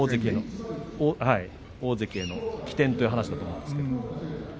大関への起点という話になりますが。